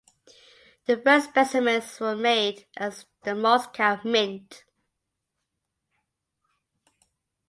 The first specimens were made at the Moscow Mint.